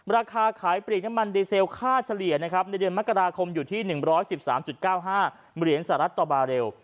ราคาขายปลีกน้ำมันดีเซลค่าเฉลี่ยนะครับในเดือนมกราคมอยู่ที่๑๑๓๙๕เหรียญสหรัฐต่อบาเรล